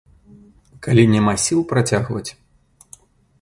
Калі няма сіл працягваць.